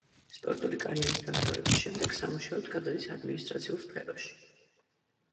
სპორტული კარიერის დამთავრების შემდეგ სამუშაოდ გადადის ადმინისტრაციულ სფეროში.